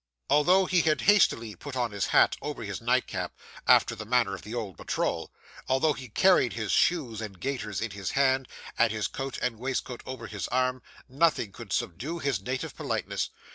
Although he had hastily put on his hat over his nightcap, after the manner of the old patrol; although he carried his shoes and gaiters in his hand, and his coat and waistcoat over his arm; nothing could subdue his native politeness.